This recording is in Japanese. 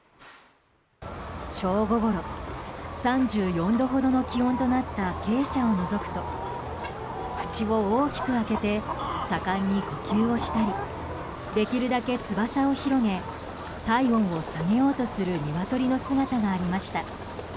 正午ごろ、３４度ほどの気温となった鶏舎をのぞくと口を大きく開けて盛んに呼吸をしたりできるだけ翼を広げ体温を下げようとするニワトリの姿がありました。